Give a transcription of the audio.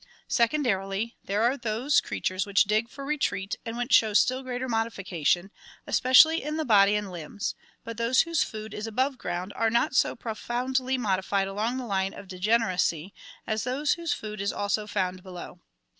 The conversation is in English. Secondarily, there are those creatures which dig for retreat and which show still greater modification, especially in the body and limbs; but those whose food is above ground are not so profoundly modified along the line of degeneracy as those whose food also is found below.